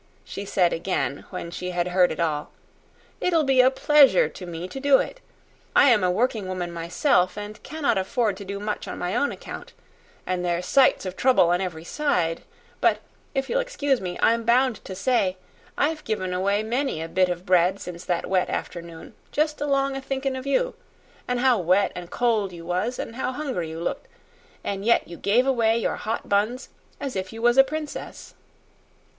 she said again when she had heard it all; "it'll be a pleasure to me to do it. I am a working woman myself and cannot afford to do much on my own account, and there's sights of trouble on every side; but, if you'll excuse me, I'm bound to say I've given away many a bit of bread since that wet afternoon, just along o' thinking of you an' how wet an' cold you was, an' how hungry you looked; an' yet you gave away your hot buns as if you was a princess."